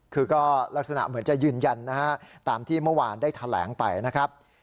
คือก็ลักษณะเหมือนจะยืนยันนะฮะตามที่เมื่อวานได้แถลงไปนะครับ